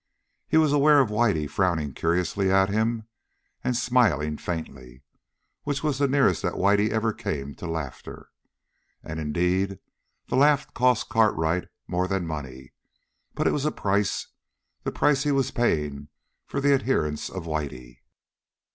He was aware of Whitey frowning curiously at him and smiling faintly, which was the nearest that Whitey ever came to laughter. And, indeed, the laugh cost Cartwright more than money, but it was a price the price he was paying for the adherence of Whitey.